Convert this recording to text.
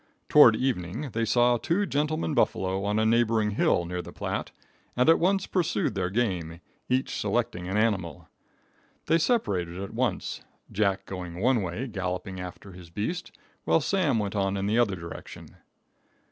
Toward evening they saw two gentlemen buffalo on a neighboring hill near the Platte, and at once pursued their game, each selecting an animal. They separated at once, Jack going one way galloping after his beast, while Sam went in the other direction.